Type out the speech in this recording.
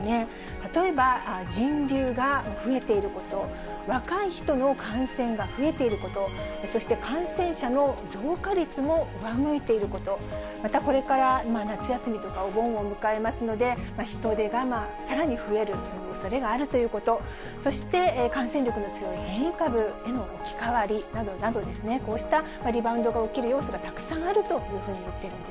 例えば、人流が増えていること、若い人の感染が増えていること、そして感染者の増加率も上向いていること、またこれから夏休みとかお盆を迎えますので、人出がさらに増えるというおそれがあるということ、そして感染力の強い変異株への置き換わりなどなどですね、こうしたリバウンドが起きる要素がたくさんあるというふうに言っ